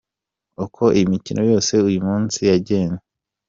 Uko imikino yose uyu munsi yagenze.